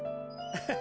ハハハハ。